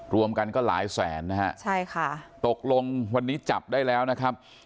รวมกันก็หลายแสนนะฮะใช่ค่ะตกลงวันนี้จับได้แล้วนะครับ